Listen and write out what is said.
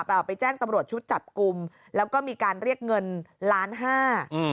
เอาไปแจ้งตำรวจชุดจับกลุ่มแล้วก็มีการเรียกเงินล้านห้าอืม